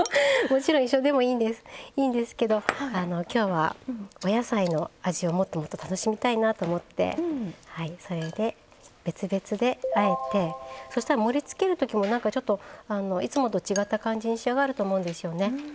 もちろん一緒でもいいんですいいんですけど今日はお野菜の味をもっともっと楽しみたいなと思ってそれで別々であえてそしたら盛りつける時もなんかちょっといつもと違った感じに仕上がると思うんですよね。